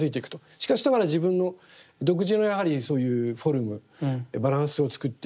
しかしながら自分の独自のやはりそういうフォルムバランスをつくっていく。